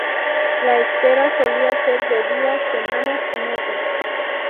La espera solía ser de días semanas y meses.